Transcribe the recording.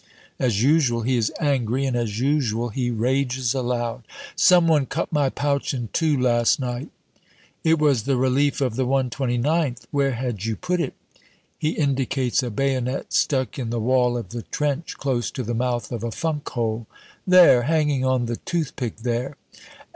As usual, he is angry, and as usual, he rages aloud. "Some one cut my pouch in two last night!" "It was the relief of the 129th. Where had you put it?" He indicates a bayonet stuck in the wall of the trench close to the mouth of a funk hole "There, hanging on the toothpick there."